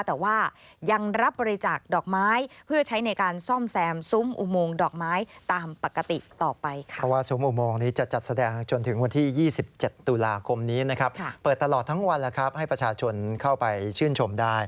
แต่ว่ายังรับบริจาคดอกไม้เพื่อใช้ในการซ่อมแซมซุ้มอุโมงดอกไม้ตามปกติต่อไปค่ะ